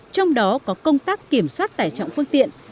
trong đó có công tác kiểm soát tải trọng phương tiện